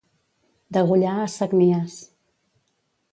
Degollar a sagnies.